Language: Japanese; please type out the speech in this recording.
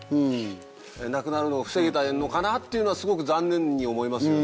亡くなるのを防げたのかなってすごく残念に思いますよね。